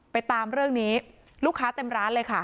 ตามเรื่องนี้ลูกค้าเต็มร้านเลยค่ะ